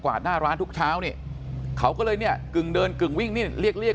กวาดหน้าร้านทุกเช้านี่เขาก็เลยเนี่ยกึ่งเดินกึ่งวิ่งนิด